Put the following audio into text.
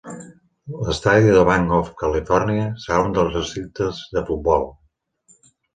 L'estadi del Banc of California serà un dels recintes de futbol.